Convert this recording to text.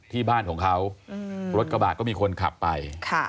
ที่บ้านของเขารถกระบะก็มีคนขับไป